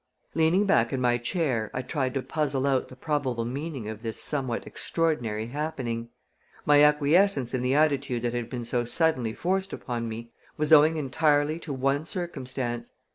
Leaning back in my chair I tried to puzzle out the probable meaning of this somewhat extraordinary happening. My acquiescence in the attitude that had been so suddenly forced upon me was owing entirely to one circumstance.